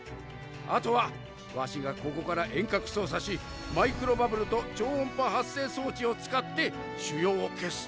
あとはワシがここから遠隔操作しマイクロバブルと超音波発生装置を使って腫瘍を消す。